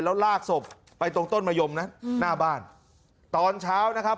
แล้วลากศพไปตรงต้นมะยมนั้นหน้าบ้านตอนเช้านะครับ